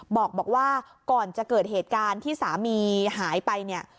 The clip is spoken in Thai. บอกว่าก่อนจะเกิดเหตุการณ์ที่สามีหายไปเนี่ย